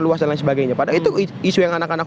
luas dan lain sebagainya pada itu isu yang anak anak